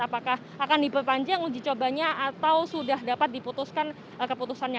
apakah akan diperpanjang uji cobanya atau sudah dapat diputuskan keputusannya